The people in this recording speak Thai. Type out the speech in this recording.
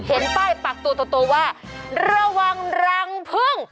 เห็นป้ายปักตัวว่าระวังรังพึ่ง